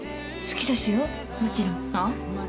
好きですよもちろん。は？